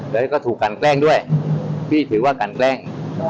แล้วก็ถูกกันแกล้งด้วยพี่ถือว่ากันแกล้ง